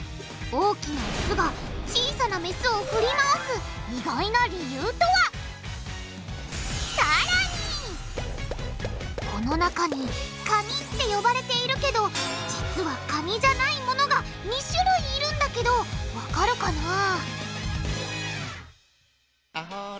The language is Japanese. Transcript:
大きなオスが小さなメスを振り回すこの中にカニって呼ばれているけど実はカニじゃないものが２種類いるんだけどわかるかな？